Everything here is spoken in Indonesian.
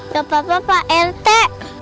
nggak apa apa pak yartie